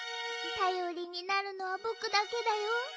たよりになるのはぼくだけだよ。